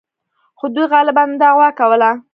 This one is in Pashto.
خو دوی غالباً دعوا کوله.